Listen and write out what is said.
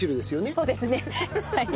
そうですねはい。